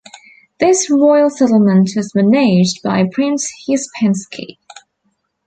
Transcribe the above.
This royal settlement was managed by Prince Uspensky.